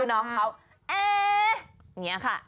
อย่างนี้ค่ะ